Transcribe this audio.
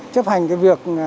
chấp hành cái việc